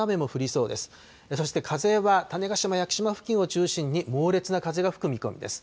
そして風は種子島・屋久島付近を中心に猛烈な風が吹く見込みです。